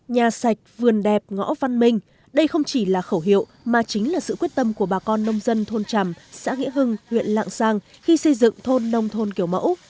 nhà sạch vườn đẹp ngõ văn minh đây không chỉ là khẩu hiệu mà chính là sự quyết tâm của bà con nông dân thôn trầm xã nghĩa hưng huyện lạng giang khi xây dựng thôn nông thôn kiểu mẫu